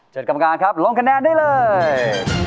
กรรมการครับลงคะแนนได้เลย